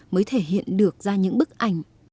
mới thể hiện được ra những bức ảnh